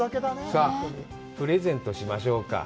さあ、プレゼントしましょうか。